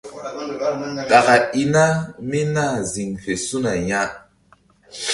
Ɗaka i na mí nah ziŋ fe su̧na ya.